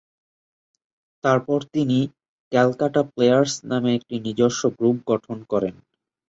তারপর তিনি "ক্যালকাটা প্লেয়ার্স্" নামে একটি নিজস্ব গ্রুপ গঠন করেন।